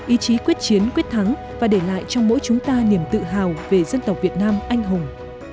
ý chí quyết chiến quyết thắng và để lại trong mỗi chúng ta niềm tự hào về dân tộc việt nam anh hùng